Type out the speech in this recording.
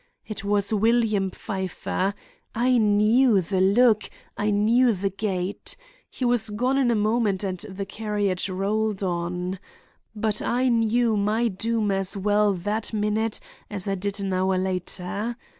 It was William Pfeiffer. I knew the look; I knew the gait. He was gone in a moment and the carriage rolled on. But I knew my doom as well that minute as I did an hour later.